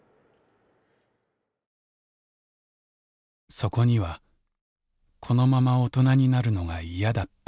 そこには「このまま大人になるのがいやだった」。